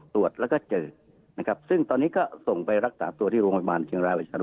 ตรวจแล้วก็เจอนะครับซึ่งตอนนี้ก็ส่งไปรักษาตัวที่โรงพยาบาลเชียงรายประชานุ